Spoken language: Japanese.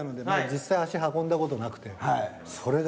実際足運んだ事なくて。